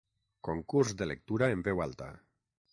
Concurs de lectura en veu alta.